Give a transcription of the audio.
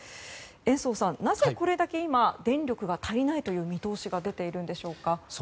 延増さん、なぜこれだけ今、電力が足りないという見通しが出ているんでしょうか。